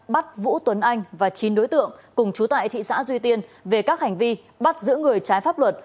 bắt vũ tuấn anh và chín đối tượng cùng chú tại thị xã duy tiên về các hành vi bắt giữ người trái pháp luật